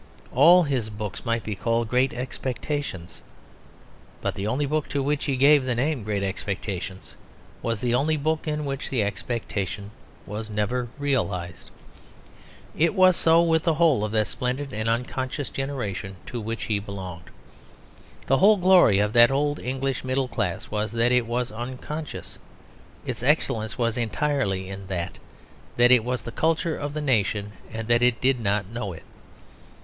All his books might be called Great Expectations. But the only book to which he gave the name of Great Expectations was the only book in which the expectation was never realised. It was so with the whole of that splendid and unconscious generation to which he belonged. The whole glory of that old English middle class was that it was unconscious; its excellence was entirely in that, that it was the culture of the nation, and that it did not know it.